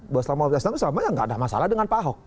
bahwa islam maupun ahok sama ya nggak ada masalah dengan pak ahok